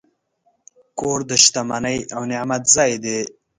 کور د شتمنۍ او نعمت ځای دی.